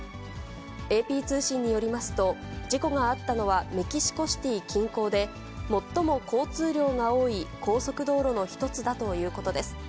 ＡＰ通信によりますと、事故があったのはメキシコシティー近郊で、最も交通量が多い高速道路の１つだということです。